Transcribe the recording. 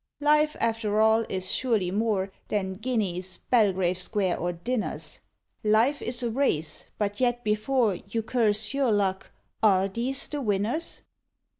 Life, after all, is surely more Than guineas, Belgrave Square, or dinners. Life is a race but yet, before You curse your luck, are these the winners?